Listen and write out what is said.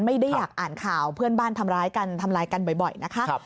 ไม่ได้อยากอ่านข่าวเพื่อนบ้านทำร้ายกันบ่อยนะคะ